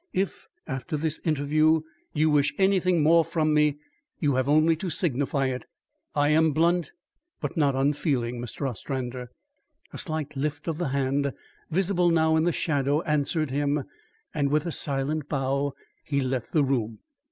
If after this interview you wish anything more from me, you have only to signify it. I am blunt, but not unfeeling, Mr. Ostrander." A slight lift of the hand, visible now in the shadow, answered him; and with a silent bow he left the room.